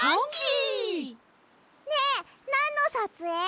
ねえなんのさつえい？